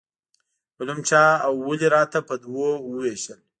علوم چا او ولې راته په دوو وویشل.